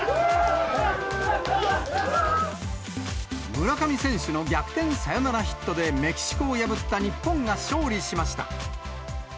村上選手の逆転サヨナラヒットでメキシコを破った日本が勝利しました。